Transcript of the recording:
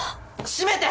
閉めて！